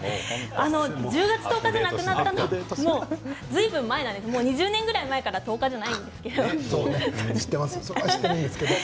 １０月１０日でなくなってもうずいぶん前２０年ぐらい前から１０日ではないんですけれども。